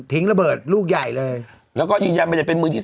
ระเบิดลูกใหญ่เลยแล้วก็ยืนยันมันจะเป็นมือที่๓